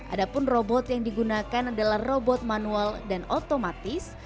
adapun robot yang digunakan adalah robot manual dan otomatis